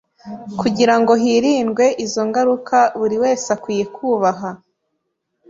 Kugira ngo hirindwe izo ngaruka buri wese akwiye kubaha